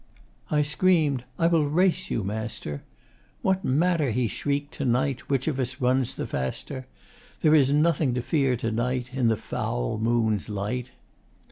I scream'd, 'I will race you, Master!' 'What matter,' he shriek'd, 'to night Which of us runs the faster? There is nothing to fear to night In the foul moon's light!